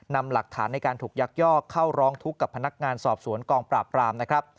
นำหลักฐานในการถูกยักยอกเข้าร้องทุกข์กับพนักงานสอบสวนกองปราบปรามนะครับ